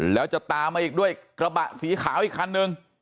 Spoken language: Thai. แล้วจะตามมาอีกด้วยกระบะสีขาวอีกคันนึง